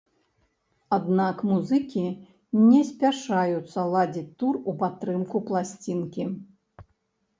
Аднак музыкі не спяшаюцца ладзіць тур у падтрымку пласцінкі.